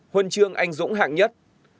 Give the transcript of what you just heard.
huân chương anh dũng hạng nhất